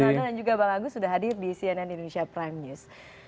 mas hana dan juga bang agus sudah hadir di cnn indonesia prime news